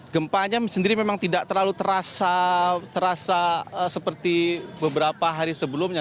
gempanya sendiri memang tidak terlalu terasa seperti beberapa hari sebelumnya